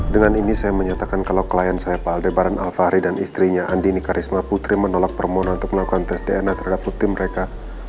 dengan ini saya menyatakan kalau klien saya pak aldebaran alfahri dan istrinya andi nikarisma putri menolak permohonan untuk melakukan tes dna terhadap rutin mereka